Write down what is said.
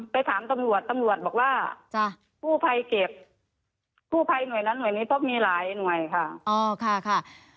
ไปถามตำรวจตำรวจบอกว่าผู้ภัยเก็บผู้ภัยหน่วยนั้นหน่วยนี้ต้องมีหลายหน่วยค่ะ